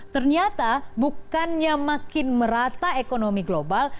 ternyata bukannya makin merata ekonomi global